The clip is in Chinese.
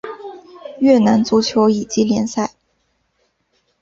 越南足球乙级联赛。